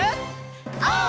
オー！